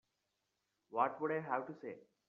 What would I have to say?